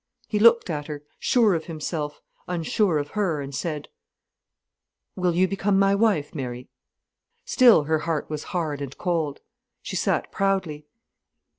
He looked at her, sure of himself, unsure of her, and said: "Will you become my wife, Mary?" Still her heart was hard and cold. She sat proudly.